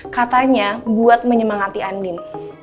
katanya buat menyemangati andin